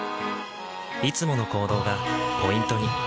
いつもの行動がポイントに。